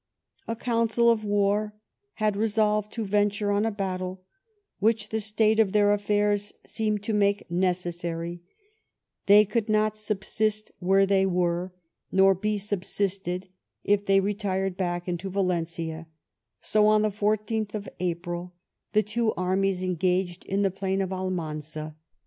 " A council of war had resolved to venture on a battle, which the state of their affairs seemed to make necessary: they could not subsist where they were, nor 258 RAMILLIES AND ALMANZA be subsisted if they retired back into Valencia; so on the 14th of April, the two armies engaged in the plain of Almanza.